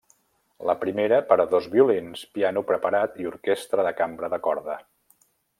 La primera, per a dos violins, piano preparat i orquestra de cambra de corda.